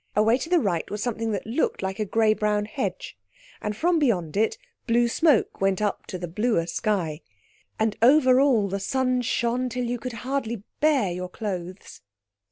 Away to the right was something that looked like a grey brown hedge, and from beyond it blue smoke went up to the bluer sky. And over all the sun shone till you could hardly bear your clothes.